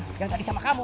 tinggal tadi sama kamu